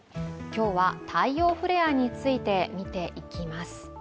今日は太陽フレアについて見ていきます。